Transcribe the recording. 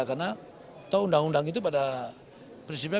karena undang undang itu pada prinsipnya